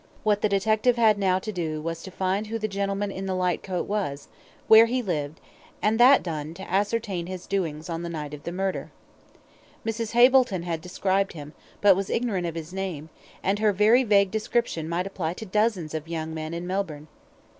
What the detective had now to do was to find who the gentleman in the light coat was, where he lived, and, that done, to ascertain his doings on the night of the murder. Mrs. Hableton had described him, but was ignorant of his name, and her very vague description might apply to dozens of young men in Melbourne.